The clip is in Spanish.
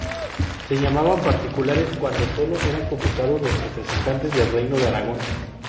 Se llamaban particulares cuando solo eran convocados los representantes del Reino de Aragón.